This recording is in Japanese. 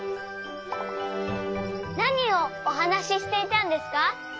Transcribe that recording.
なにをおはなししていたんですか？